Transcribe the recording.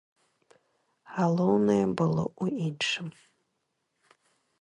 Галоўнае было ў іншым.